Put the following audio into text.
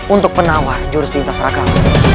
untuk penawar jurus lintas ragam